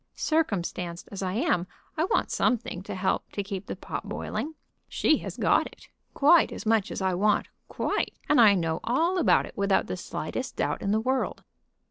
Circumstanced as I am, I want something to help to keep the pot boiling. She has got it, quite as much as I want, quite, and I know all about it without the slightest doubt in the world."